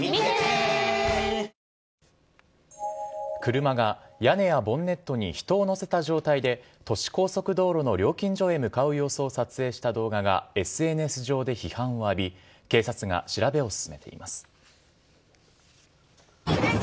車が屋根やボンネットに人を乗せた状態で都市高速道路の料金所へ向かう様子を撮影した動画がＳＮＳ上で批判を浴び、警察が調べを進めています。